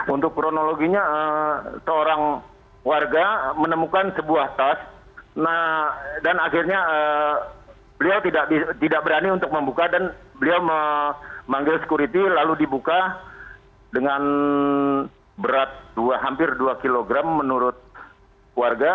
untuk kronologinya seorang warga menemukan sebuah tas dan akhirnya beliau tidak berani untuk membuka dan beliau memanggil security lalu dibuka dengan berat hampir dua kg menurut warga